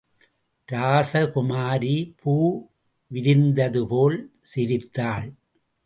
ராசகுமாரி பூவிரிந்ததுபோல் சிரித்தாள்.